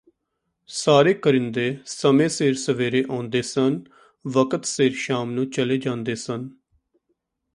ਸਾਰੇ ਕਰਿੰਦੇ ਸਮੇਂ ਸਿਰ ਸਵੇਰੇ ਆਉਂਦੇ ਸਨ ਵਕਤ ਸਿਰ ਸ਼ਾਮ ਨੂੰ ਚਲੇ ਜਾਂਦੇ ਸਨ